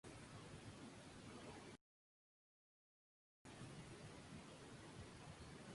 Son plantas trepadoras con ramas cilíndricas delgadas.